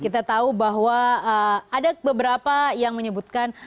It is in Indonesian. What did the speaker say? kita tahu bahwa ada beberapa yang menyebutkan